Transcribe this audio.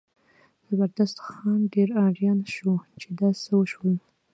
زبردست خان ډېر اریان شو چې دا څه وشول.